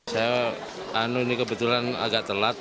saya ini kebetulan agak telat